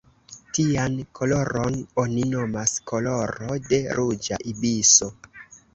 Tian koloron oni nomas koloro de ruĝa ibiso.